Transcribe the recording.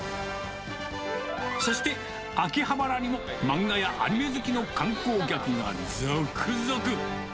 そして、秋葉原にも漫画やアニメ好きの観光客が続々。